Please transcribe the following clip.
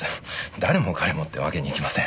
誰も彼もってわけにいきません。